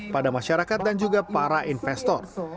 pada masyarakat dan juga para investor